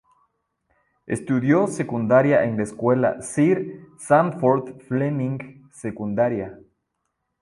Estudió secundaria en la escuela Sir Sandford Fleming Secundaria.